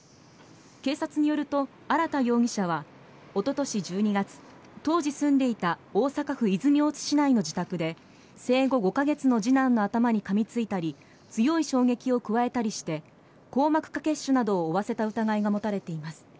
警察によると、荒田容疑者はおととし１２月当時住んでいた大阪府泉大津市内の自宅で生後５カ月の次男の頭にかみついたり強い衝撃を加えるなどし硬膜下血腫などを負わせた疑いが持たれています。